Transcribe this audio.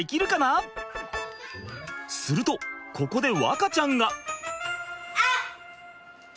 するとここで和花ちゃんが。